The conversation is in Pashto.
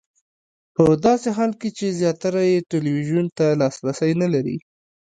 په داسې حال کې چې زیاتره یې ټلویزیون ته لاسرسی نه لري.